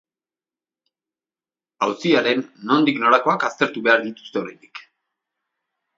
Auziaren nondik norakoak aztertu behar dituzte oraindik.